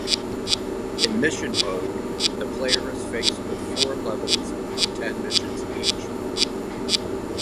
In Mission Mode, the player is faced with four levels of ten missions each.